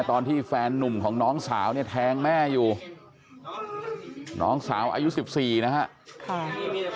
ตอนที่แฟนนุ่มของน้องสาวเนี่ยแทงแม่อยู่น้องสาวอายุ๑๔นะฮะค่ะ